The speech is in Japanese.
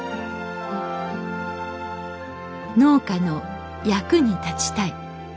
「農家の役に立ちたい」。